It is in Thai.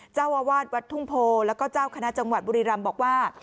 เจ้าอาวาสวัดทุ่งโพแล้วก็เจ้าคณะจังหวัดบุรีรำบอกว่า